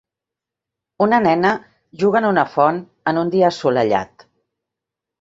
Una nena juga en una font en un dia assolellat.